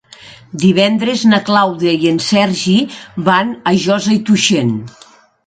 Divendres na Clàudia i en Sergi van a Josa i Tuixén.